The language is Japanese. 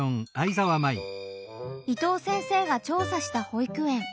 伊藤先生が調査した保育園。